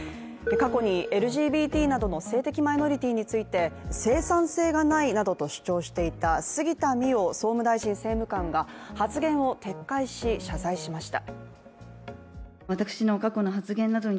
過去にＬＧＢＴなどの性的マイノリティーについて、生産性がないなどと主張していた杉田水脈総務大臣政務官が発言を撤回し、謝罪しました。